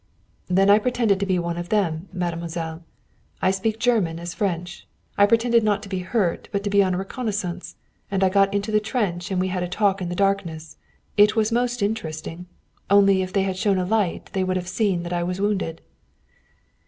"Then I pretended to be one of them, mademoiselle. I speak German as French. I pretended not to be hurt, but to be on a reconnoissance. And I got into the trench and we had a talk in the darkness. It was most interesting. Only if they had shown a light they would have seen that I was wounded."